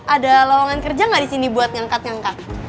ada lawangan kerja gak disini buat ngangkat ngangkat